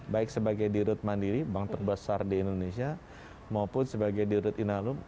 baik sebagai dirut mandiri bank terbesar di indonesia maupun sebagai dirut inalum